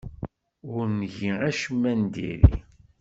Ur ngi acemma n diri.